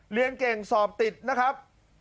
เรียนเก่งสอบติดนะครับ